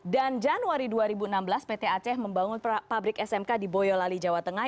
dan januari dua ribu enam belas pt aceh membangun pabrik smk di boyolali jawa tengah